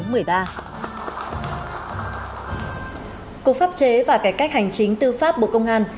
cục pháp chế và cải cách hành chính tư pháp bộ công an